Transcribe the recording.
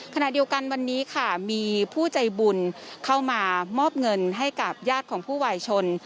ขณะเดียวกันวันนี้ค่ะมีผู้ใจบุญเข้ามามอบเงินให้กับญาติของผู้วายชน